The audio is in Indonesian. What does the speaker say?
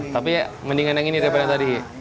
tapi ya mendingan yang ini daripada tadi